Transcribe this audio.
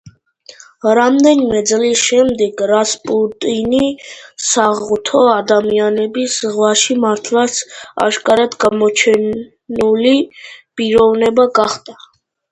რამდენიმე წლის შემდეგ რასპუტინი „საღვთო ადამიანების“ ზღვაში მართლაც აშკარად გამორჩეული პიროვნება გახდა.